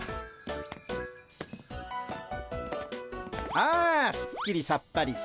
あすっきりさっぱりした。